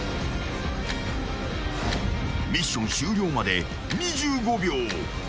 ［ミッション終了まで２５秒］